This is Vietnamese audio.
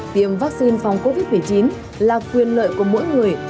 tiêm vaccine phòng covid một mươi chín là quyền lợi của mỗi người